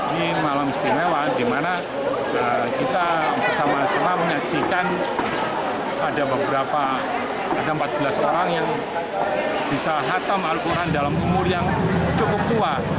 ini malam istimewa di mana kita bersama sama menyaksikan ada beberapa ada empat belas orang yang bisa hatam al quran dalam umur yang cukup tua